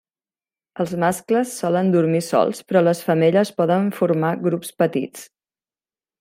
Els mascles solen dormir sols, però les femelles poden formar grups petits.